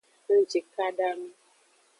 Ngjikada nu.